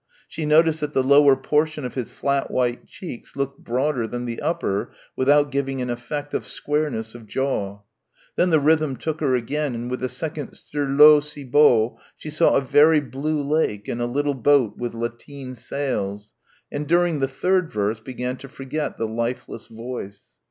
She noticed that the lower portion of his flat white cheeks looked broader than the upper without giving an effect of squareness of jaw. Then the rhythm took her again and with the second "sur l'eau, si beau," she saw a very blue lake and a little boat with lateen sails, and during the third verse began to forget the lifeless voice.